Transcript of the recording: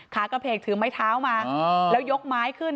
ขากระเพกถือไม้เท้ามาแล้วยกไม้ขึ้น